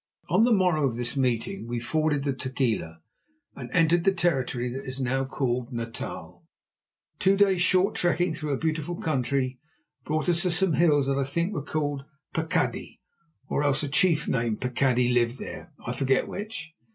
On the morrow of this meeting we forded the Tugela and entered the territory that is now called Natal. Two days' short trekking through a beautiful country brought us to some hills that I think were called Pakadi, or else a chief named Pakadi lived there, I forget which.